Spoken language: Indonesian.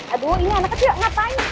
aduh ini anaknya tidak ngapain sih